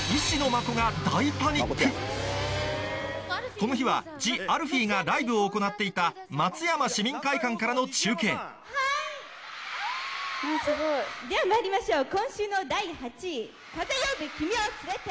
この日はＴＨＥＡＬＦＥＥがライブを行っていた松山市民会館からの中継ではまいりましょう今週の第８位『風曜日、君をつれて』